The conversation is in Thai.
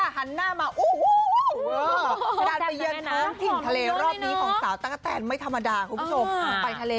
ฮู้ฮู้ท้านหลังยังวอาุซ่าต้องถังถีกทะเล